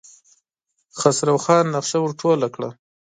خسرو خان نخشه ور ټوله کړه.